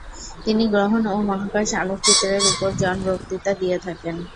তিনি গ্রহণ ও মহাকাশ আলোকচিত্রের উপর জন বক্তৃতা দিয়ে থাকেন।